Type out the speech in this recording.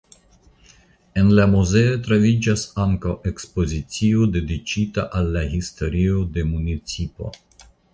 En la muzeo troviĝas ankaŭ ekspozicio dediĉita al la historio de municipo.